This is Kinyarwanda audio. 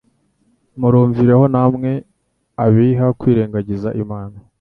Murumvireho namwe abiha kwirengagiza Imana